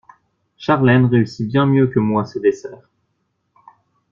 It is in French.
Charlène réussit bien mieux que moi ses desserts.